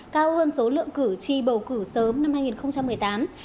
cao hơn số lượng cử tri bầu cử sớm năm hai nghìn một mươi tám